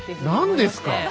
何ですか！